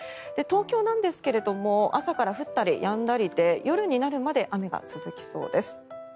東京なんですが朝から降ったりやんだりで夜になるまで雨が続きそうです。